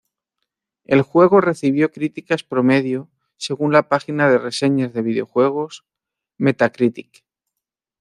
El juego recibió críticas "promedio" según la página de reseñas de videojuegos Metacritic.